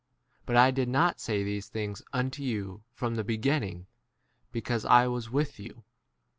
But I did not say these things unto you from [the] beginning, because I was 5 with you.